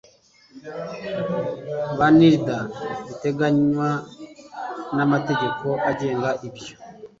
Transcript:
ba nirda biteganywa n amategeko agenga ibyo